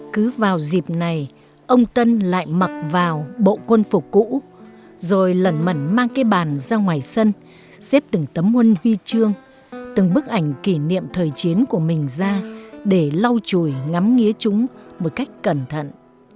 cứ vào dịp này ông tân lại mặc vào bộ quân phục cũ rồi lẩn mẩn mang cái bàn ra ngoài sân xếp từng tấm muôn huy chương từng bức ảnh kỷ niệm thời chiến của mình ra để lau chùi ngắm nghĩa chúng một cách cẩn thận